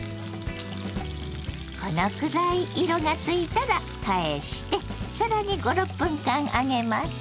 このくらい色がついたら返して更に５６分間揚げます。